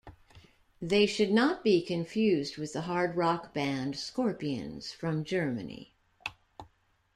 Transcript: They should not be confused with the hard rock band Scorpions from Germany.